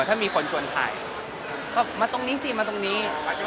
ถ้ามีคนชวนถ่ายก็มาตรงนี้สิมาตรงนี้